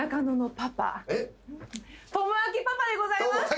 智明パパでございます。